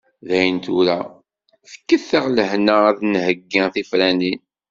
Dayen tura, fket-aɣ lehna ad d-nheyyi tifranin.